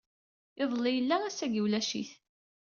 Iḍelli yella, ass-agi ulac-it.